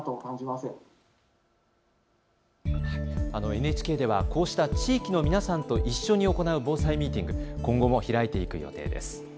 ＮＨＫでは、こうした地域の皆さんと一緒に行う防災ミーティングを今後も開いていく予定です。